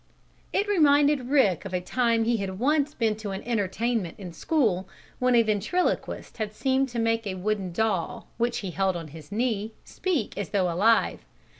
It reminded Rick of a time he had once been to an entertainment in the school, when a ventriloquist had seemed to make a wooden doll, which he held on his knee, speak as though alive.